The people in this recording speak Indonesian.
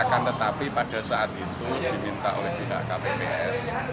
akan tetapi pada saat itu diminta oleh pihak kpps